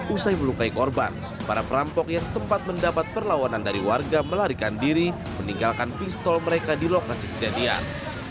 usai melukai korban para perampok yang sempat mendapat perlawanan dari warga melarikan diri meninggalkan pistol mereka di lokasi kejadian